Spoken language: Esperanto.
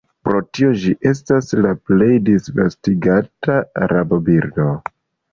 Pro tio ĝi estas la plej disvastigata rabobirdo.